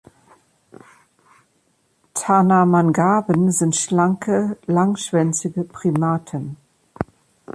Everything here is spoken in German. Tana-Mangaben sind schlanke, langschwänzige Primaten.